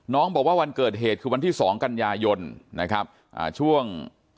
บอกว่าวันเกิดเหตุคือวันที่สองกันยายนนะครับอ่าช่วง